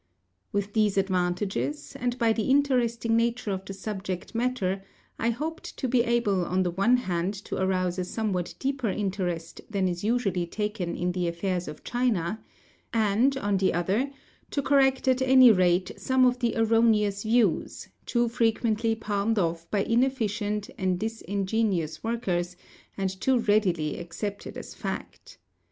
With these advantages, and by the interesting nature of the subject matter, I hoped to be able on the one hand to arouse a somewhat deeper interest than is usually taken in the affairs of China; and, on the other, to correct at any rate some of the erroneous views, too frequently palmed off by inefficient and disingenuous workers, and too readily accepted as fact.